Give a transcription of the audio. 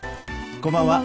こんばんは。